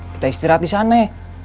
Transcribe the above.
kita istirahat di sana